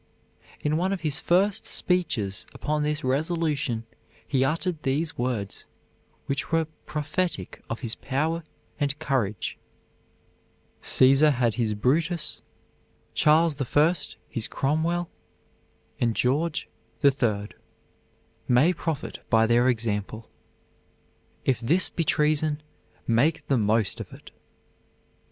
In one of his first speeches upon this resolution he uttered these words, which were prophetic of his power and courage: "Caesar had his Brutus, Charles the First his Cromwell, and George the Third may profit by their example. If this be treason, make the most of it."